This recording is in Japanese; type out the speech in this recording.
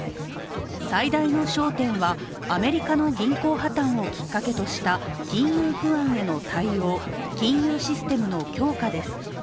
最大の焦点は、アメリカの銀行破綻をきっかけとした金融不安への対応、金融システムの強化です。